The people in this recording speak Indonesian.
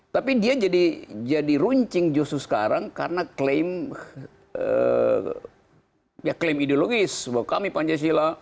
tapi dia jadi runcing justru sekarang karena klaim ya klaim ideologis bahwa kami pancasila